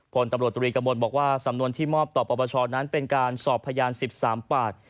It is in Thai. ผลตำรวจตรีกระมวลบอกว่าสำนวนที่มอบต่อปปชนั้นเป็นการสอบพยาน๑๓ปาก